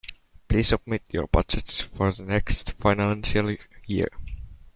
Please submit your budgets for the next financial year